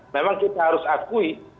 memang kita harus akui